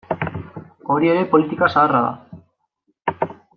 Hori ere politika zaharra da.